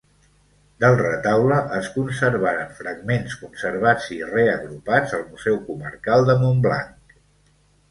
Del retaule es conservaren fragments conservats i reagrupats al Museu Comarcal de Montblanc.